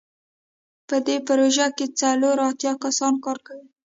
په دې پروژه کې څلور اتیا کسان کار کوي.